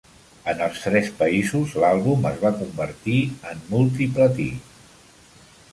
En els tres països, l'àlbum es va convertir en multiplatí.